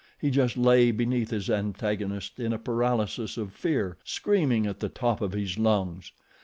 He just lay beneath his antagonist in a paralysis of fear, screaming at the top of his lungs.